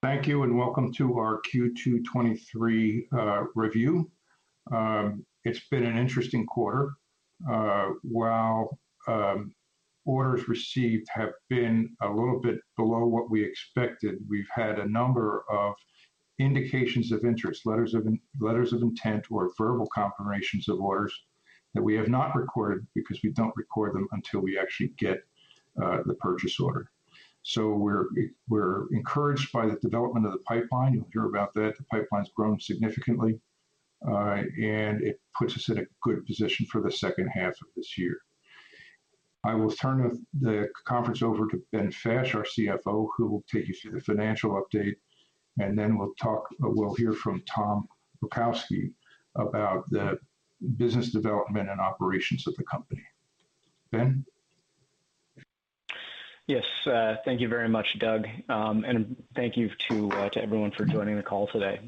Thank you, and welcome to our Q2 2023 review. It's been an interesting quarter. While orders received have been a little bit below what we expected, we've had a number of indications of interest, letters of intent or verbal confirmations of orders that we have not recorded because we don't record them until we actually get the purchase order. We're, we're encouraged by the development of the pipeline. You'll hear about that. The pipeline's grown significantly, and it puts us in a good position for the second half of this year. I will turn the, the conference over to Benjamin Fash, our Chief Financial Officer, who will take you through the financial update, and then we'll hear from Thomas Pokorsky about the business development and operations of the company. Ben? Yes, thank you very much, Doug. Thank you to everyone for joining the call today.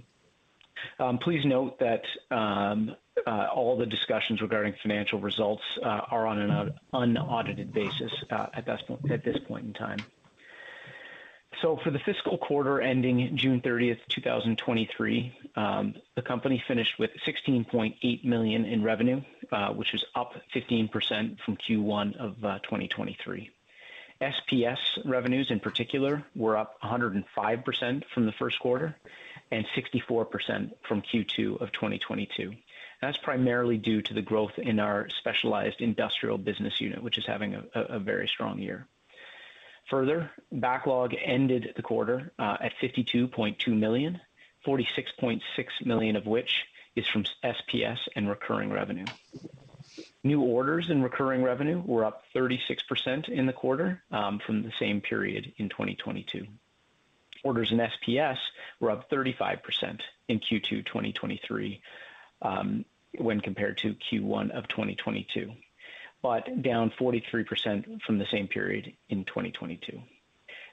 Please note that all the discussions regarding financial results are on an unaudited basis at this point, at this point in time. For the fiscal quarter ending June 30th, 2023, the company finished with $16.8 million in revenue, which is up 15% from Q1 of 2023. SPS revenues, in particular, were up 105% from the first quarter and 64% from Q2 of 2022. That's primarily due to the growth in our Specialized Industrial Water business, which is having a very strong year. Further, backlog ended the quarter at $52.2 million, $46.6 million of which is from SPS and recurring revenue. New orders and recurring revenue were up 36% in the quarter, from the same period in 2022. Orders in SPS were up 35% in Q2 2023, when compared to Q1 of 2022, but down 43% from the same period in 2022.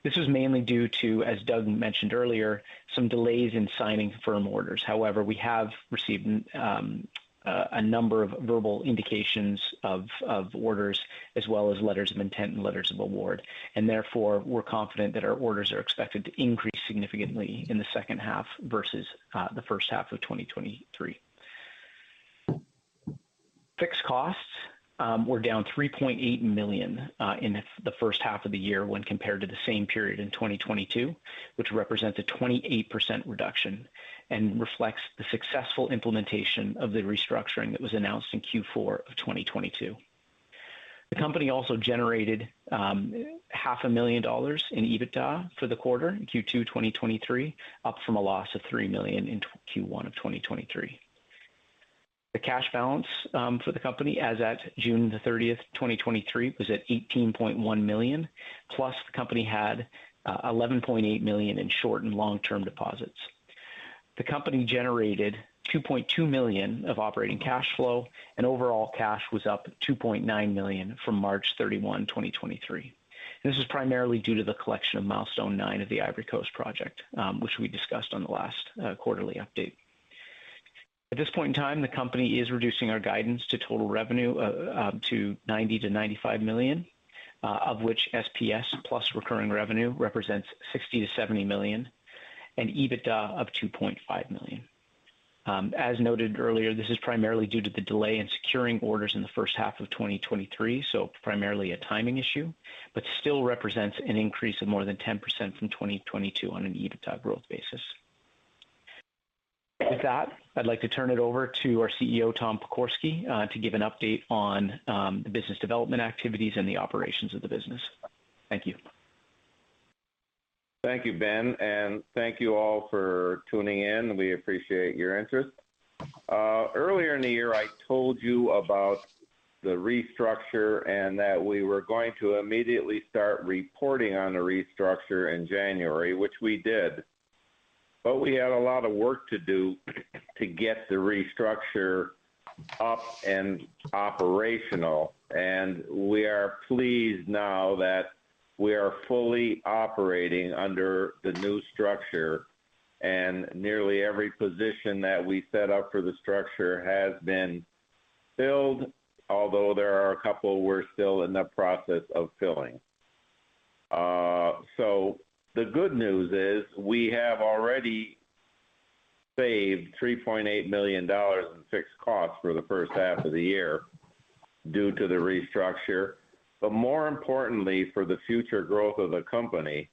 This was mainly due to, as Doug mentioned earlier, some delays in signing firm orders. However, we have received a number of verbal indications of orders, as well as letters of intent and letters of award, and therefore, we're confident that our orders are expected to increase significantly in the second half versus the first half of 2023. Fixed costs were down $3.8 million in the first half of the year when compared to the same period in 2022, which represents a 28% reduction and reflects the successful implementation of the restructuring that was announced in Q4 of 2022. The company also generated $500,000 in EBITDA for the quarter, Q2 2023, up from a loss of $3 million in Q1 of 2023. The cash balance for the company as at June 30, 2023, was at $18.1 million, plus the company had $11.8 million in short and long-term deposits. The company generated $2.2 million of operating cash flow, and overall cash was up $2.9 million from March 31, 2023. This is primarily due to the collection of Milestone nine of the Ivory Coast project, which we discussed on the last quarterly update. At this point in time, the company is reducing our guidance to total revenue to $90 million-$95 million, of which SPS plus recurring revenue represents $60 million-$70 million, and EBITDA up $2.5 million. As noted earlier, this is primarily due to the delay in securing orders in the first half of 2023, so primarily a timing issue, but still represents an increase of more than 10% from 2022 on an EBITDA growth basis. With that, I'd like to turn it over to our Chief Executive Officer, Thomas Pokorsky, to give an update on the business development activities and the operations of the business. Thank you. Thank you, Ben, and thank you all for tuning in. We appreciate your interest. Earlier in the year, I told you about the restructure and that we were going to immediately start reporting on the restructure in January, which we did. We had a lot of work to do to get the restructure up and operational, and we are pleased now that we are fully operating under the new structure, and nearly every position that we set up for the structure has been filled, although there are a couple we're still in the process of filling. The good news is we have already saved $3.8 million in fixed costs for the first half of the year due to the restructure. More importantly, for the future growth of the company,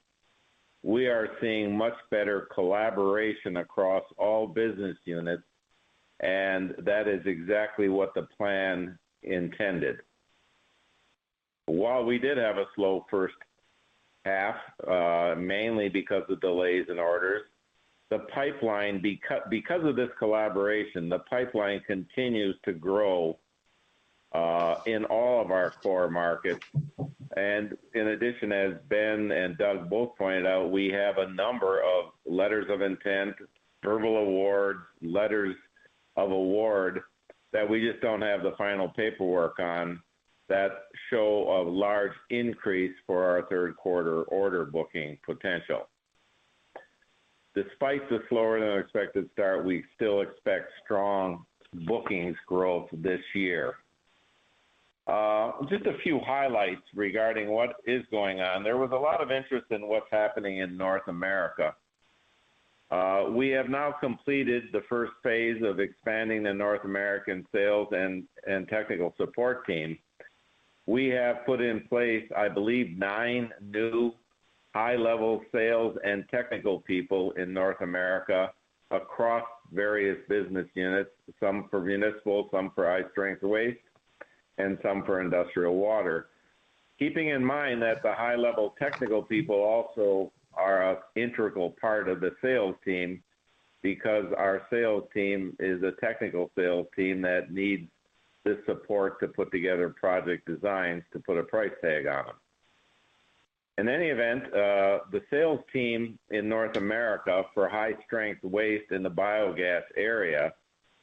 we are seeing much better collaboration across all business units, and that is exactly what the plan intended. While we did have a slow first half, mainly because of delays in orders, the pipeline, because of this collaboration, the pipeline continues to grow in all of our core markets. In addition, as Ben and Doug both pointed out, we have a number of letters of intent, verbal awards, letters of award, that we just don't have the final paperwork on, that show a large increase for our third quarter order booking potential. Despite the slower-than-expected start, we still expect strong bookings growth this year. Just a few highlights regarding what is going on. There was a lot of interest in what's happening in North America. We have now completed the first phase of expanding the North American sales and technical support team. We have put in place, I believe, nine new high-level sales and technical people in North America across various business units, some for municipal, some for high-strength waste, and some for industrial water. Keeping in mind that the high-level technical people also are an integral part of the sales team, because our sales team is a technical sales team that needs this support to put together project designs, to put a price tag on them. In any event, the sales team in North America for high-strength waste in the biogas area,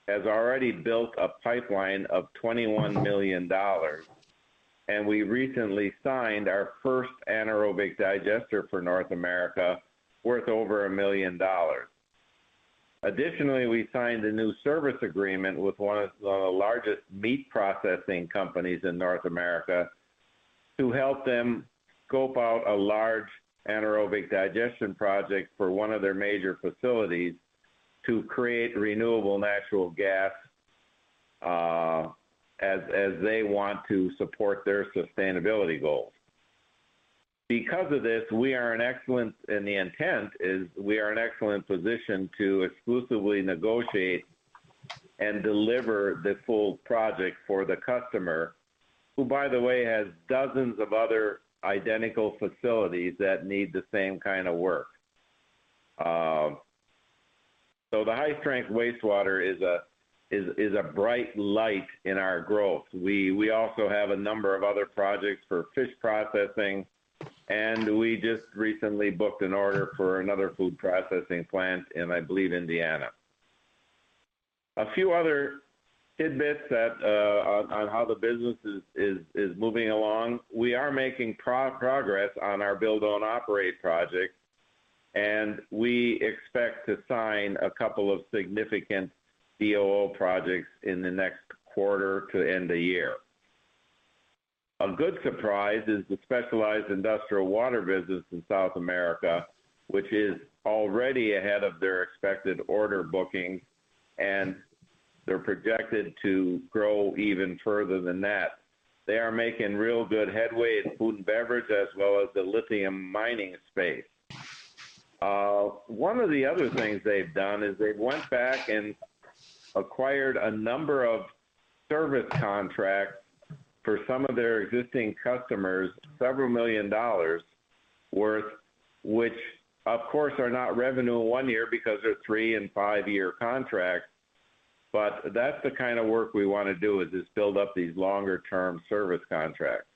has already built a pipeline of $21 million, and we recently signed our first anaerobic digester for North America, worth over $1 million. Additionally, we signed a new service agreement with one of the largest meat processing companies in North America, to help them scope out a large anaerobic digestion project for one of their major facilities, to create renewable natural gas, as they want to support their sustainability goals. Because of this, we are in and the intent is we are in excellent position to exclusively negotiate and deliver the full project for the customer, who, by the way, has dozens of other identical facilities that need the same kind of work. The high-strength wastewater is a bright light in our growth. We also have a number of other projects for fish processing, and we just recently booked an order for another food processing plant in, I believe, Indiana. A few other tidbits that on how the business is, is, is moving along. We are making progress on our build-own-operate project, and we expect to sign a couple of significant BOO projects in the next quarter to end the year. A good surprise is the Specialized Industrial Water business in South America, which is already ahead of their expected order bookings. They're projected to grow even further than that. They are making real good headway in food and beverage, as well as the lithium mining space. One of the other things they've done is they've went back and acquired a number of service contracts for some of their existing customers, several million dollars' worth, which, of course, are not revenue in one-year because they're three and five-year contracts, but that's the kind of work we want to do, is just build up these longer-term service contracts.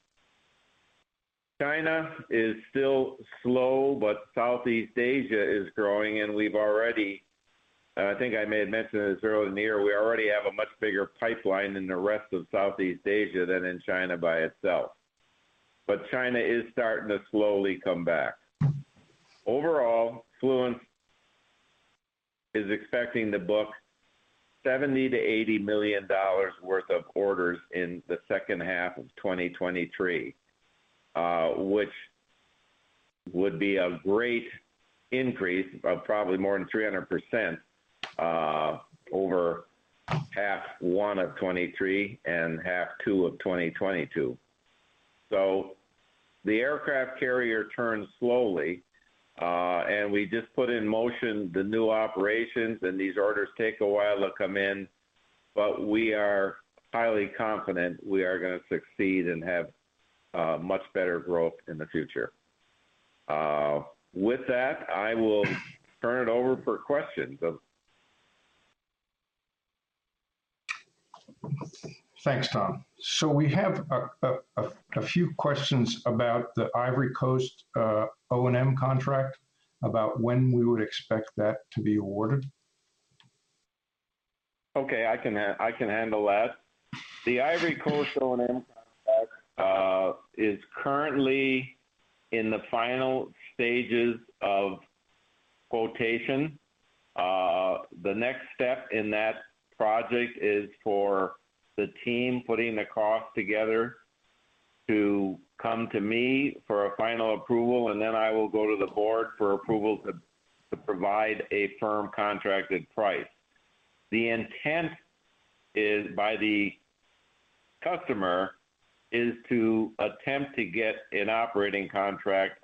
China is still slow, but Southeast Asia is growing, and we've already. I think I may have mentioned this earlier in the year, we already have a much bigger pipeline in the rest of Southeast Asia than in China by itself. China is starting to slowly come back. Overall, Fluence is expecting to book $70 million-$80 million worth of orders in the second half of 2023, which would be a great increase of probably more than 300%, over half one of 2023 and half two of 2022. The aircraft carrier turns slowly, and we just put in motion the new operations, and these orders take a while to come in, but we are highly confident we are gonna succeed and have much better growth in the future. With that, I will turn it over for questions of. Thanks, Tom. We have a few questions about the Ivory Coast O&M contract, about when we would expect that to be awarded. Okay, I can handle that. The Ivory Coast O&M contract is currently in the final stages of quotation. The next step in that project is for the team putting the cost together to come to me for a final approval. Then I will go to the board for approval to provide a firm contracted price. The intent is, by the customer, is to attempt to get an operating contract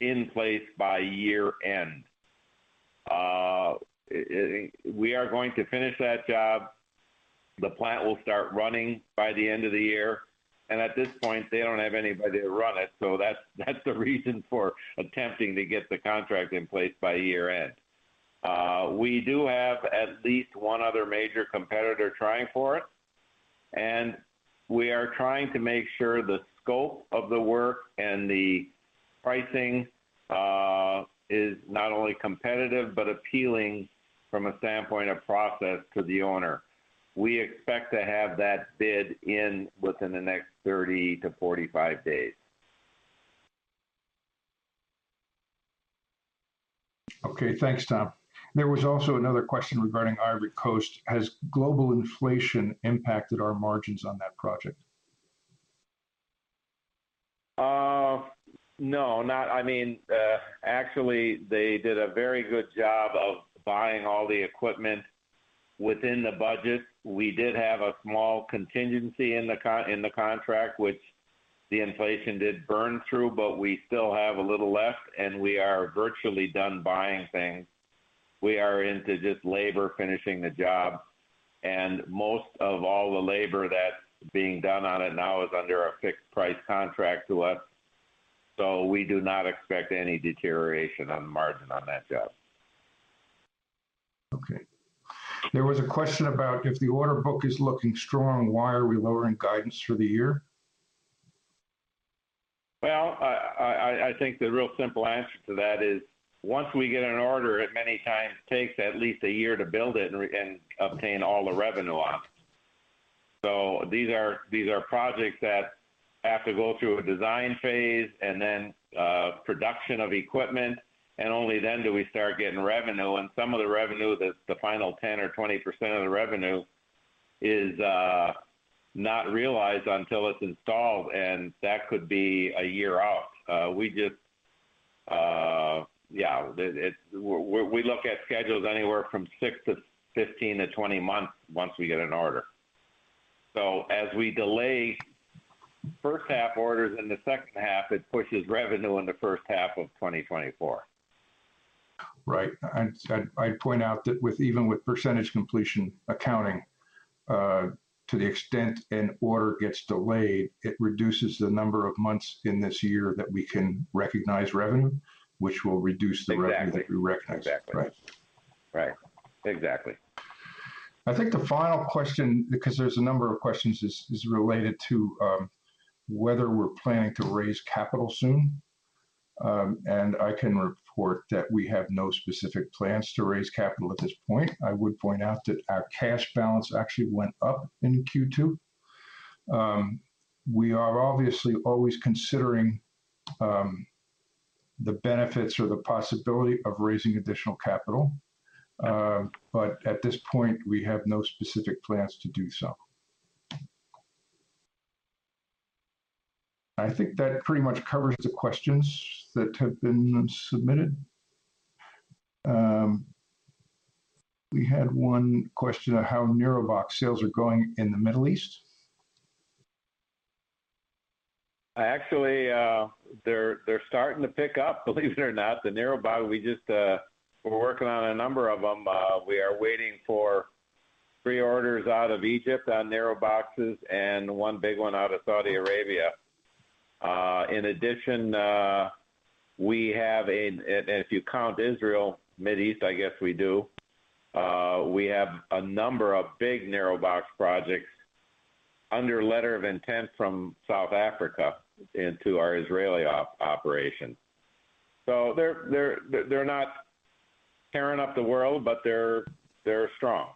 in place by year-end. We are going to finish that job. The plant will start running by the end of the year. At this point, they don't have anybody to run it. That's, that's the reason for attempting to get the contract in place by year-end. We do have at least one other major competitor trying for it, and we are trying to make sure the scope of the work and the pricing, is not only competitive, but appealing from a standpoint of process to the owner. We expect to have that bid in within the next 30 to 45 days. Okay, thanks, Tom. There was also another question regarding Ivory Coast: Has global inflation impacted our margins on that project? No, not I mean, actually, they did a very good job of buying all the equipment within the budget. We did have a small contingency in the contract, which the inflation did burn through, but we still have a little left, and we are virtually done buying things. We are into just labor, finishing the job, and most of all the labor that's being done on it now is under a fixed price contract to us, so we do not expect any deterioration on the margin on that job. Okay. There was a question about, if the order book is looking strong, why are we lowering guidance for the year? Well, I, I, I think the real simple answer to that is, once we get an order, it many times takes at least a year to build it and re- and obtain all the revenue on it. These are, these are projects that have to go through a design phase and then production of equipment, and only then do we start getting revenue. Some of the revenue, the, the final 10 or 20% of the revenue is not realized until it's installed, and that could be a year out. We just. Yeah, we look at schedules anywhere from six to 15 to 20 months once we get an order. As we delay first half orders into second half, it pushes revenue in the first half of 2024. Right. I'd point out that with, even with percentage completion accounting, to the extent an order gets delayed, it reduces the number of months in this year that we can recognize revenue, which will reduce. Exactly revenue that we recognize. Exactly. Right. Right. Exactly. I think the final question, because there's a number of questions, is, is related to, whether we're planning to raise capital soon. I can report that we have no specific plans to raise capital at this point. I would point out that our cash balance actually went up in Q2. We are obviously always considering, the benefits or the possibility of raising additional capital, but at this point, we have no specific plans to do so. I think that pretty much covers the questions that have been submitted. We had one question on how NIROBOX sales are going in the Middle East. Actually, they're, they're starting to pick up, believe it or not. The NIROBOX, we just. We're working on a number of them. We are waiting for three orders out of Egypt on NIROBOXes and one big one out of Saudi Arabia. In addition, we have a. If you count Israel, Mid East, I guess we do, we have a number of big NIROBOX projects under letter of intent from South Africa into our Israeli operation. They're, they're, they're not tearing up the world, but they're, they're strong.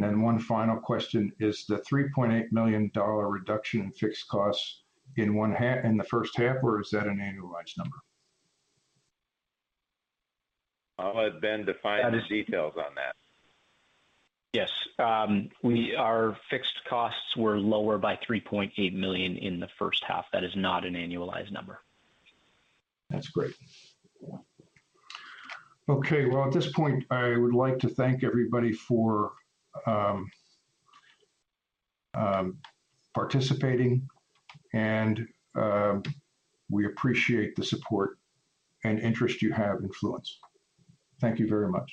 One final question: Is the $3.8 million reduction in fixed costs in one half, in the first half, or is that an annualized number? I'll let Ben define the details on that. Yes, Our fixed costs were lower by $3.8 million in the first half. That is not an annualized number. That's great. Yeah. Okay, well, at this point, I would like to thank everybody for, participating, and we appreciate the support and interest you have in Fluence. Thank you very much.